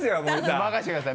任せてください。